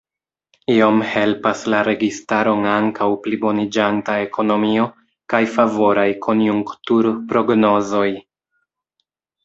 Iom helpas la registaron ankaŭ pliboniĝanta ekonomio kaj favoraj konjunktur-prognozoj.